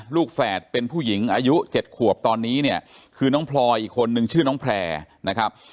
แฝดเป็นผู้หญิงอายุ๗ขวบตอนนี้เนี่ยคือน้องพลอยอีกคนนึงชื่อน้องแพร่นะครับ